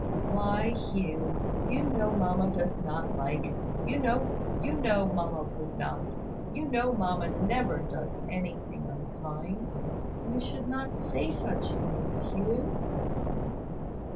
"Why Hugh! You know mamma does not like you know mamma would not you know mamma never does anything unkind. You should not say such things, Hugh."